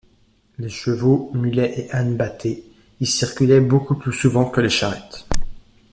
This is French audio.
Les chevaux, mulets et ânes bâtés y circulaient beaucoup plus souvent que les charrettes.